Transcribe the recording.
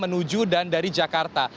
menuju dan dari jakarta